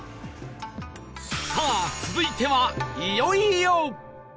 さあ続いてはいよいよ